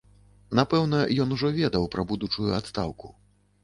Напэўна, ён ужо ведаў пра будучую адстаўку.